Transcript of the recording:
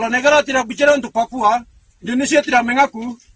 negara indonesia harus mengaku